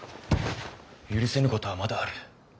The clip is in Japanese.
許せぬことはまだある。